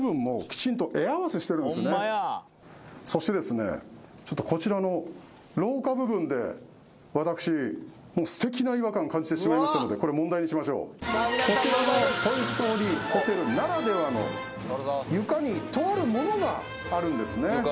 このそしてですねこちらの廊下部分で私素敵な違和感感じてしまいましたのでこれ問題にしましょうこちらのトイ・ストーリーホテルならではの床にとあるものがあるんですね